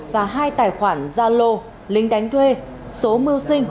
và hai tài khoản gia lô linh đánh thuê số mưu sinh